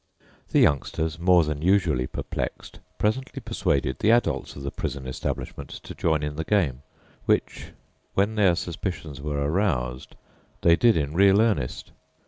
The youngsters, more than usually perplexed, presently persuaded the adults of the prison establishment to join in the game, which, when their suspicions were aroused, they did in real earnest.